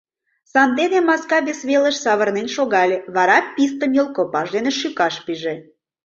Сандене маска вес велыш савырнен шогале, вара пистым йолкопаж дене шӱкаш пиже.